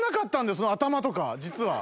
その頭とか実は。